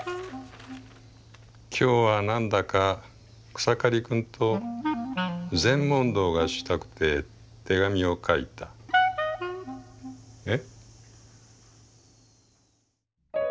「きょうはなんだか草刈くんと禅問答がしたくて手紙を書いた」。え？